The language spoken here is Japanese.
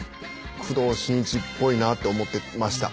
工藤新一っぽいなって思ってました。